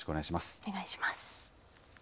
お願いします。